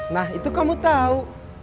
nah itu kamu tau